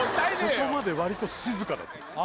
そこまでわりと静かだったんすよ